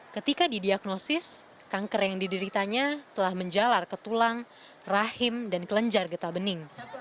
ketika didiagnosis kanker yang dideritanya telah menjalar ke tulang rahim dan kelenjar getah bening